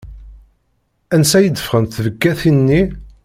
Ansa i d-ffɣent tbekkatin-nni?